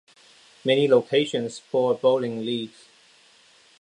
Many locations support bowling leagues.